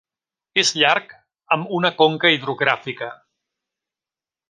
És llarg, amb una conca hidrogràfica.